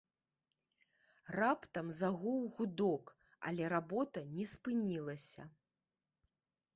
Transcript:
Раптам загуў гудок, але работа не спынілася.